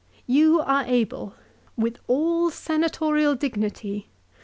You are able with all senatorial 1 Ad Div.